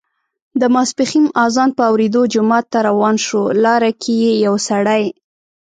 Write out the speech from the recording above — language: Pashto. د ماسپښین اذان په اوریدا جومات ته روان شو، لاره کې یې یو سړی